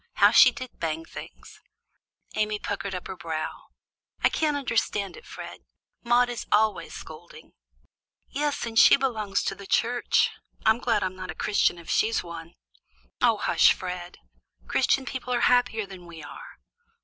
How she did bang things!" Amy puckered up her brow. "I can't understand it, Fred. Maude is always scolding." "Yes, and she belongs to the church. I'm glad I'm not a Christian, if she's one." "Oh, hush, Fred! Christian people are happier than we are."